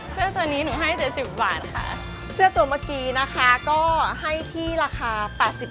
เสื้อตัวเมื่อกี้ก็ให้ที่ราคา๘๐บาท